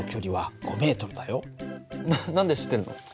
な何で知ってるの？